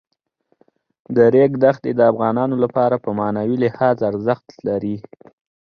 د ریګ دښتې د افغانانو لپاره په معنوي لحاظ ارزښت لري.